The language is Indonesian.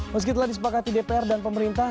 meski telah disepakati dpr dan pemerintah